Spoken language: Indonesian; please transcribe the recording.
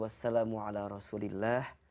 wassalamualaikum wr wb